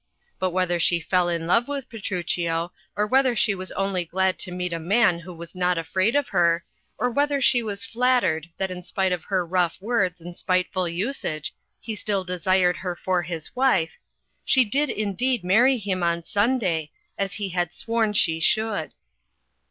But whether she fell in love with Petruchio, or whether she was only glad to meet a man who was not afraid of her, or whether she was flattered that in spite of her rough words and spiteful usage, he still desired her for his wife — she did indeed marry him on Sunday, as he had sworn she should.